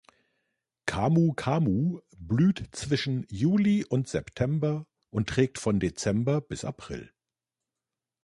Camu-Camu blüht zwischen Juli und September und trägt von Dezember bis April.